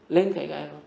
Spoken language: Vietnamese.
lên cái cái đó